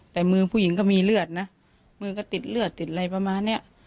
แต่มือผู้หญิงก็มีเลือดนะมือก็ติดเลือดติดอะไรประมาณเนี้ย